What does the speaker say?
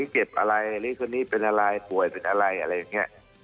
เจ็บอะไรเป็นอะไรป่วยอะไร